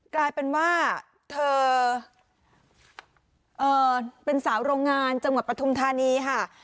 กลายเป็นว่าเธอเป็นสาวโรงงานจังหวัดปฐุมธานีค่ะ